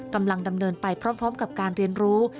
กำลังดำเนินไปพร้อมกับการเรียนรู้